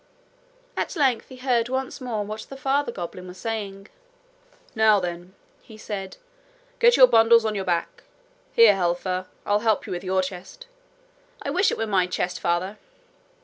At length he heard once more what the father goblin was saying. 'Now, then,' he said, 'get your bundles on your backs. Here, Helfer, I'll help you up with your chest.' 'I wish it was my chest, father.'